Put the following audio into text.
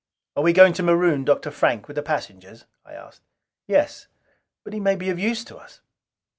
"Are we going to maroon Dr. Frank with the passengers?" I asked. "Yes." "But he may be of use to us."